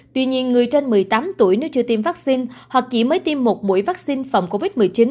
tuy nhiên người trên một mươi tám tuổi nếu chưa tiêm vaccine hoặc chỉ mới tiêm một mũi vaccine phòng covid một mươi chín